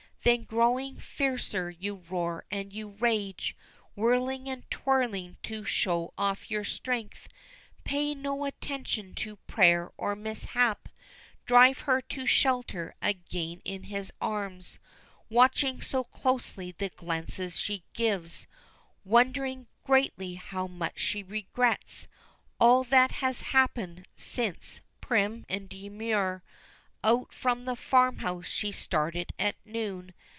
Then growing fiercer, you roar and you rage, Whirling and twirling to show off your strength, Pay no attention to prayer or mishap Drive her to shelter again in his arms. Watching so closely the glances she gives, Wondering greatly how much she regrets, All that has happened, since, prim and demure, Out from the farmhouse she started at noon.